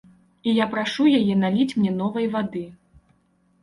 І я прашу яе наліць мне новай вады.